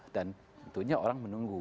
dan tentunya orang menunggu